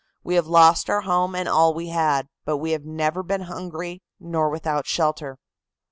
"We have lost our home and all we had, but we have never been hungry nor without shelter."